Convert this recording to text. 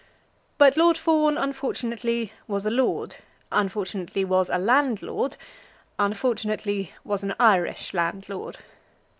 But Lord Fawn unfortunately was a lord, unfortunately was a landlord, unfortunately was an Irish landlord.